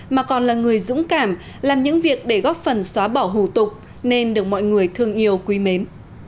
mà còn là người dũng cảm làm những việc để góp phần xóa bỏ hủ tục nên được mọi người thương yêu quý mến